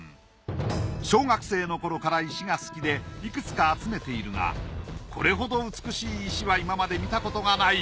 小学生の頃から石が好きでいくつか集めているがこれほど美しい石は今まで見たことがない。